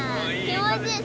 気持ちいい。